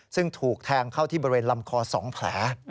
ซึ่งถูกแทงเข้าที่บริเวณลำคอ๒แผล